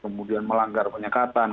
kemudian melanggar penyekatan